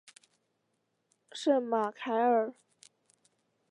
圣马凯尔。